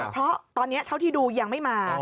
เพราะตอนนี้เท่าที่ดูยังไม่มา